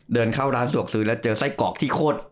เดินเข้าร้านสะดวกซื้อแล้วเจอไส้กรอกที่โคตร